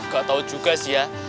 gak tahu juga sih ya